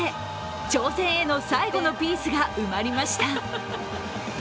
挑戦への最後のピースが埋まりました。